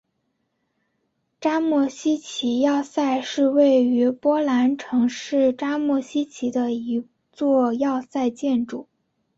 扎莫希奇要塞是位于波兰城市扎莫希奇的一座要塞建筑。